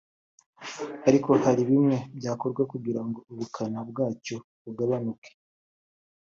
ariko hari bimwe byakorwa kugira ngo ubukana bwacyo bugabanuke